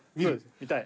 見たい。